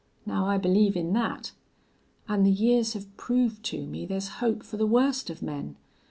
Now I believe in that. An' the years have proved to me there's hope for the worst of men....